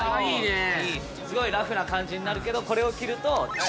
すごいラフな感じになるけどこれを着るとちょっといい